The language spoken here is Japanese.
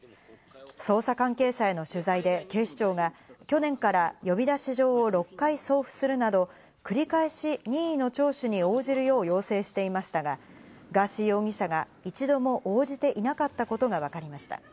捜査関係者への取材で、警視庁が去年から呼び出し状を６回送付するなど、繰り返し任意の聴取に応じるよう要請していましたが、ガーシー容疑者が一度も応じていなかったことがわかりました。